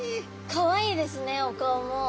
かわいいですねお顔も。